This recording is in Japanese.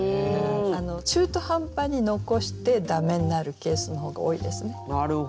中途半端に残して駄目になるケースの方が多いですね。